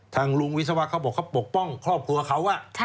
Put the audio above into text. ทางลุงวิศวะเขาบอกเขาปกป้องครอบครัวเขา